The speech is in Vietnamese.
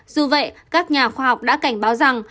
dù vậy các nhà khoa học đã cảnh báo rằng